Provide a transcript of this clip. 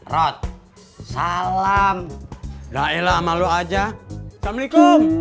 rod salam gaela malu aja assalamualaikum